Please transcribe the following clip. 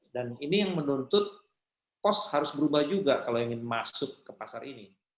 dan ini yang menuntut pos harus berubah juga kalau ingin masuk ke pasar ini